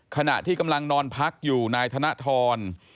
ขณะที่กำลังนอนพักอยู่นายธนทร